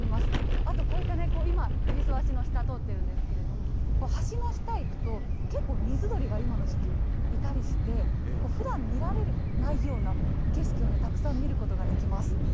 あと、こういったね、今、えびす橋の下、通ってるんですけれども、橋の下行くと、結構、水鳥が今の時期いたりして、ふだん見られないような景色をたくさん見ることができます。